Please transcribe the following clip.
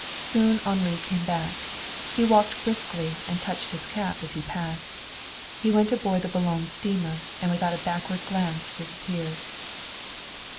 Soon Henri came back. He walked briskly and touched his cap as he passed. He went aboard the Boulogne steamer, and without a backward glance disappeared.